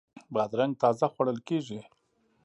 بادرنګ تازه خوړل کیږي.